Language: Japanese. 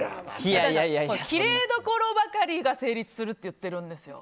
きれいどころばかりが成立するって言っているんですよ。